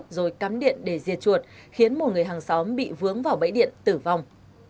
rồi cắm điện để diệt chuột khiến một người hàng xóm bị vướng vào bẫy điện tử vong